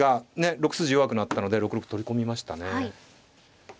６筋弱くなったので６六取り込みましたね。